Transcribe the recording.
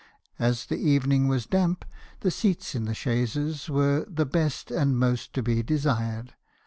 As the even ing was damp , the seats in the chaises were the best and most to be desired.